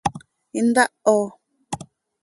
¿Intaho?